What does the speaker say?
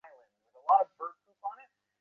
তোমায় দেখে দাঁড়িয়েছিলাম বৌ, ভাবছিলাম কাছে যাবে।